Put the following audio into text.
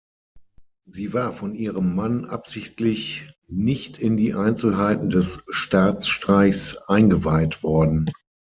Sie war von ihrem Mann absichtlich nicht in die Einzelheiten des Staatsstreichs eingeweiht worden.